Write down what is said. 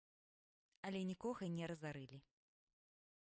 Але нікога не разарылі.